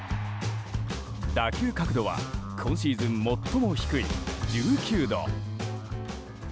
打球角度は今シーズン最も低い１９度。